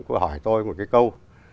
có hỏi tôi một cái câu